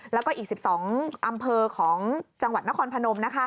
แล้วก็อีก๑๒อำเภอของจังหวัดนครพนม